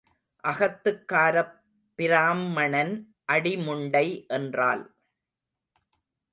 அகத்துக்காரப் பிராம்மணன் அடிமுண்டை என்றால்.